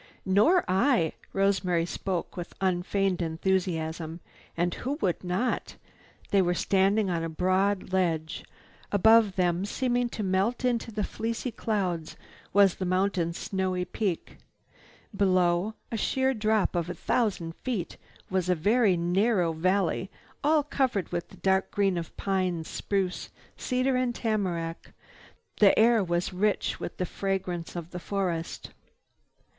"Nor I!" Rosemary spoke with unfeigned enthusiasm. And who would not? They were standing on a broad ledge. Above them, seeming to melt into the fleecy clouds, was the mountain's snowy peak. Below, a sheer drop of a thousand feet, was a very narrow valley all covered with the dark green of pine, spruce, cedar and tamarack. The air was rich with the fragrance of the forest.